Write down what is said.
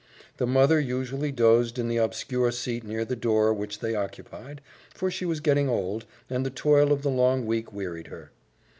The mother usually dozed in the obscure seat near the door which they occupied, for she was getting old, and the toil of the long week wearied her.